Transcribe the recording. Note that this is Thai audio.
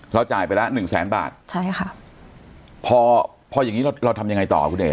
จ่ายไปละหนึ่งแสนบาทใช่ค่ะพอพออย่างงี้เราเราทำยังไงต่อคุณเอ๋